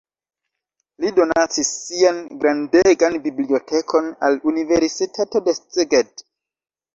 Li donacis sian grandegan bibliotekon al universitato de Szeged.